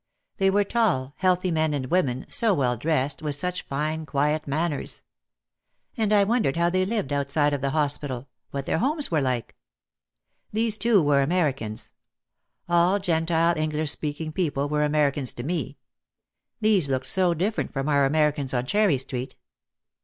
They were tall, healthy men and women, so well dressed with such fine quiet man ners! And I wondered how they lived outside of the hospital, what their homes were like. These two were Americans. All Gentile English speaking people were Americans to me. These looked so different from our Americans on Cherry Street.